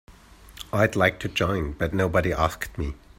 I'd like to join but nobody asked me.